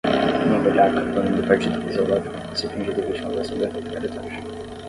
Uma velhaca, dona de partido fisiológico, se finge de vítima para esconder sua picaretagem